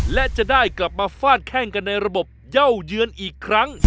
และจะได้กลับมาฟาดแข้งกันในระบบเย่าเยือนอีกครั้ง